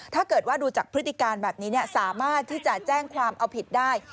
ถ้าเกิดว่าดูจากพฤติการแบบนี้สามารถที่จะแจ้งความเอาผิดได้